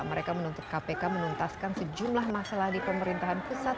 mereka menuntut kpk menuntaskan sejumlah masalah di pemerintahan pusat